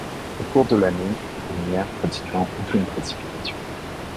Au cours de l'année, il n'y a pratiquement aucune précipitation.